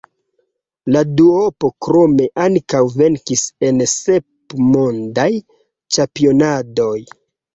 La duopo krome ankaŭ venkis en sep Mondaj Ĉampionadoj.